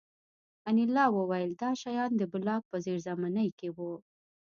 انیلا وویل دا شیان د بلاک په زیرزمینۍ کې وو